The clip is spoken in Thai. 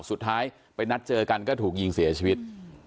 สุดท้ายไปนัดเจอกันก็ถูกยิงเสียชีวิต